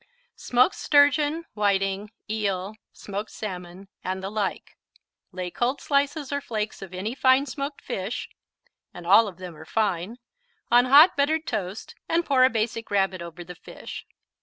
Smoked sturgeon, whiting, eel, smoked salmon, and the like Lay cold slices or flakes of any fine smoked fish (and all of them are fine) on hot buttered toast and pour a Basic Rabbit over the fish.